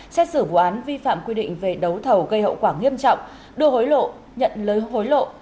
xét xử vụ án vi phạm quy định về đấu thầu gây hậu quả nghiêm trọng đưa hối lộ nhận hối lộ